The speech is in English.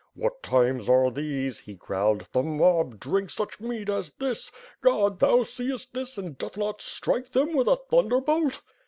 "What times are these," he growled, "the mob drink such mead as this! Ood, thou seest this and dos not strike them with a thunderbolt."